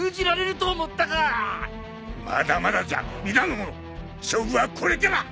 まだまだじゃ皆の者勝負はこれから！